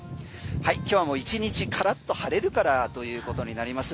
今日は１日からっと晴れるからということになります。